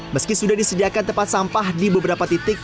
meski sudah disediakan tempat sampah di beberapa titik